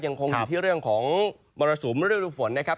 ยังคงอยู่ที่เรื่องของมรสุมฤดูฝนนะครับ